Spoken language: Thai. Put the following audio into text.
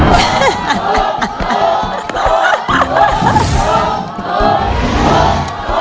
แล้ววันนี้ผมมีสิ่งหนึ่งนะครับเป็นตัวแทนกำลังใจจากผมเล็กน้อยครับ